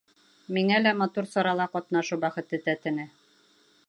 Миңә лә матур сарала ҡатнашыу бәхете тәтене.